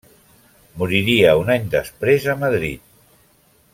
Moriria un any després a Madrid.